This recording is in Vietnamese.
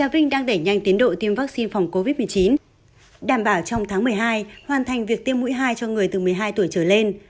vinh đang đẩy nhanh tiến độ tiêm vaccine phòng covid một mươi chín đảm bảo trong tháng một mươi hai hoàn thành việc tiêm mũi hai cho người từ một mươi hai tuổi trở lên